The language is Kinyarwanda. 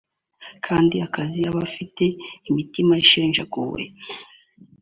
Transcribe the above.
kandi akiza abafite imitima ishenjaguwe